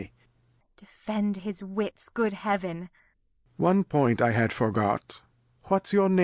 Lear. One Point I had forgot ; what's your Name